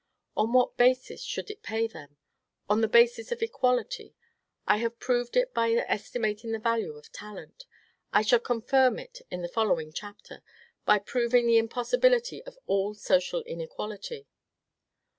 On what basis should it pay them? On the basis of equality. I have proved it by estimating the value of talent. I shall confirm it in the following chapter, by proving the impossibility of all social inequality.